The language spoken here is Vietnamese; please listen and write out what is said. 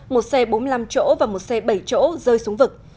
một xe bốn mươi năm chỗ và một xe bảy chỗ rơi xuống vực